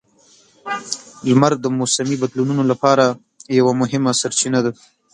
لمر د موسمي بدلونونو لپاره یوه مهمه سرچینه ده.